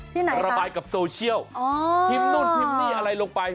ที่ไหนระบายกับโซเชียลอ๋อพิมพ์นู่นพิมพ์นี่อะไรลงไป